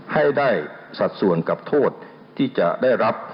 ให้ได้สัดส่วนกับโทษที่จะได้รับ